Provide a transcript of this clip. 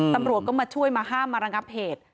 ตำรวจก็มาช่วยมาห้ามมาระงับเหตุ